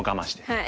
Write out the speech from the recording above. はい。